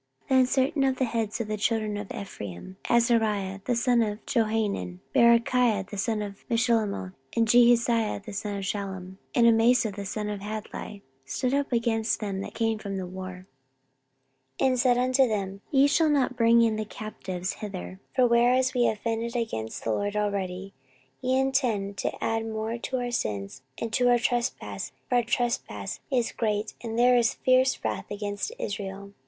14:028:012 Then certain of the heads of the children of Ephraim, Azariah the son of Johanan, Berechiah the son of Meshillemoth, and Jehizkiah the son of Shallum, and Amasa the son of Hadlai, stood up against them that came from the war, 14:028:013 And said unto them, Ye shall not bring in the captives hither: for whereas we have offended against the LORD already, ye intend to add more to our sins and to our trespass: for our trespass is great, and there is fierce wrath against Israel.